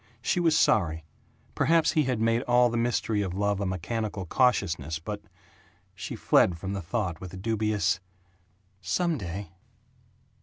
She was sorry Perhaps he had made all the mystery of love a mechanical cautiousness but She fled from the thought with a dubious, "Some day."